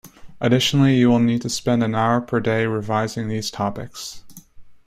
Additionally you will need to spend one hour per day revising these topics.